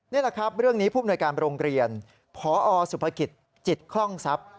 นี่แหละครับเรื่องนี้ผู้มนวยการโรงเรียนพอสุภกิจจิตคล่องทรัพย์